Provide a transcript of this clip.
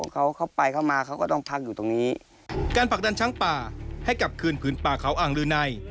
การผลักดันช้างป่าให้กลับเกินพื้นป่าเค้าอางลือใน